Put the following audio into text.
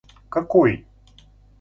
какой